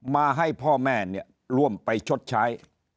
มาให้พ่อแม่เนี่ยร่วมไปชดใช้